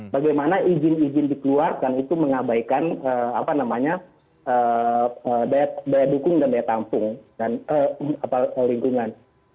bagaimana izin izin dikeluarkan itu mengabaikan daya dukung dan daya tampung dan lingkungan